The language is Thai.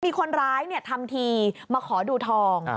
มีคนร้ายทำทีมาขอดูทอง